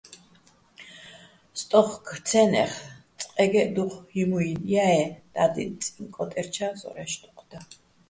სტო́უხკო̆-ცე́ნეხ წყეგეჸ დუჴ ჰიმუჲ ჲა-ე́ და́დიწიჼ კო́ტერჩა́ ზორაჲშ დუჴ და.